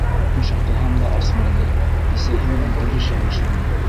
Күпме шаҡыһам да асманы, бисәһе менән ирешә башланы.